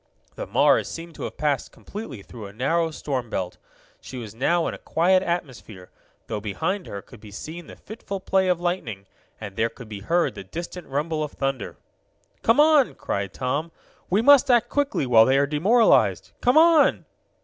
The Mars seemed to have passed completely through a narrow storm belt. She was now in a quiet atmosphere, though behind her could be seen the fitful play of lightning, and there could be heard the distant rumble of thunder. "Come on!" cried Tom. "We must act quickly, while they are demoralized! Come on!"